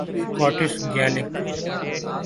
Scottish Gaelic